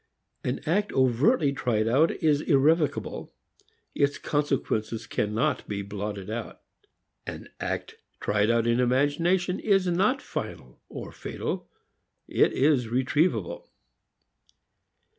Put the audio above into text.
An act overtly tried out is irrevocable, its consequences cannot be blotted out. An act tried out in imagination is not final or fatal. It is retrievable.